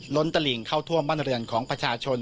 ตลิ่งเข้าท่วมบ้านเรือนของประชาชน